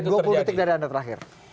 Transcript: bang arief dua puluh detik dari anda terakhir